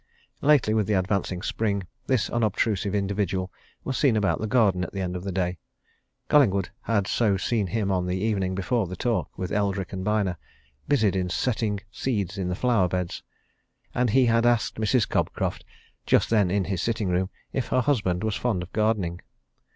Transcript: Lately, with the advancing spring, this unobtrusive individual was seen about the garden at the end of the day: Collingwood had so seen him on the evening before the talk with Eldrick and Byner, busied in setting seeds in the flower beds. And he had asked Mrs. Cobcroft, just then in his sitting room, if her husband was fond of gardening.